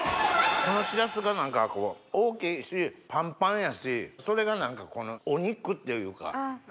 このしらすが何か大きいしパンパンやしそれが何かお肉っていうか。